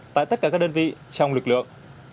tại tất cả các đơn vị trong lực lượng